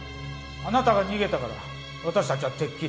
あなたが逃げたから私たちはてっきり。